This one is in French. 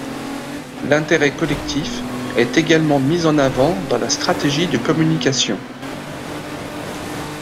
L'intérêt collectif est également mis en avant dans la stratégie de communication.